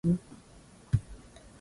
Mate yanidondoka, kwa mnukio wa wale,